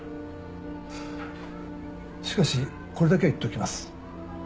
しかしこれだけは言っておきます。